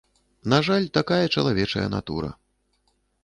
На жаль, такая чалавечая натура.